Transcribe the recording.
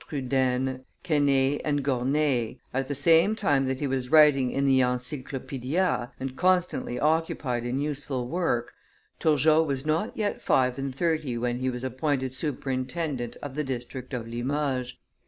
Trudaine, Quesnay, and Gournay, at the same time that he was writing in the Encyclopaedia, and constantly occupied in useful work, Turgot was not yet five and thirty when he was appointed superintendent of the district of Limoges.